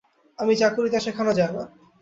আমি যা করি তা শেখানো যায় না।